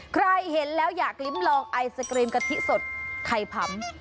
ใครเห็นแล้วอยากลิ้มลองไอศกรีมกะทิสดไข่ผำ